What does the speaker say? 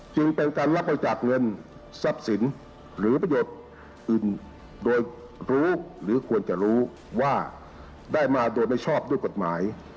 จึงเป็นการรับบริจาคเงินทรัพย์สินหรือประโยชน์อื่นโดยรู้หรือควรจะรู้ว่าได้มาโดยไม่ชอบด้วยกฎหมาย